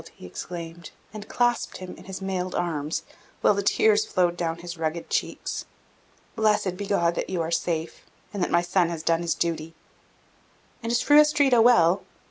he exclaimed, and clasped him in his mailed arms, while the tears flowed down his rugged cheeks. "Blessed be God that you are safe, and that my son has done his duty!" "And is Fru Astrida well?"